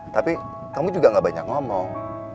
tapi kamu juga gak banyak ngomong